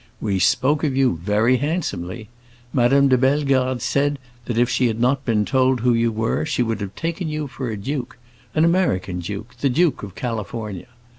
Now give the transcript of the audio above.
We spoke of you very handsomely. Madame de Bellegarde said that if she had not been told who you were, she would have taken you for a duke—an American duke, the Duke of California.